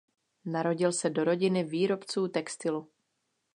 Narodil se do rodiny výrobců textilu.